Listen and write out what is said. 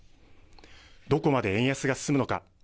どこまで円安が進むのか。